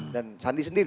dan sandi sendiri